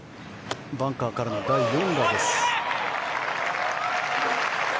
バンカーからの第４打です。